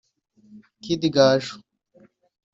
Kid Gaju